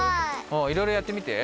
おいろいろやってみて。